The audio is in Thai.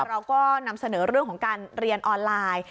เราก็นำเสนอเรื่องของการเรียนออนไลน์